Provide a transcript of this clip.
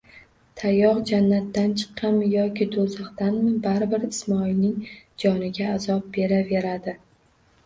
Tayoq jannatdan chiqqanmi yoki do'zaxdanmi, baribir Ismoilning joniga azob beraveradi.